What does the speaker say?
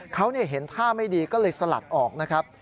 เขาเห็นท่าไม่ดีก็เลยสลัดออกนะครับ